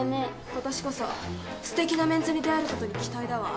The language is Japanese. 今年こそすてきなメンズに出会えることに期待だわ。